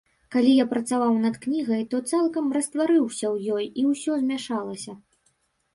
Калі я працаваў над кнігай, то цалкам растварыўся ў ёй і ўсё змяшалася.